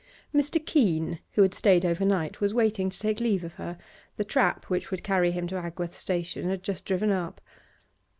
Mr. Keene, who had stayed over night, was waiting to take leave of her; the trap which would carry him to Agworth station had just driven up.